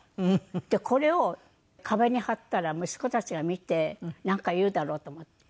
でこれを壁に貼ったら息子たちが見てなんか言うだろうと思って。